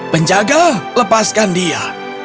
penjaga lepaskan dia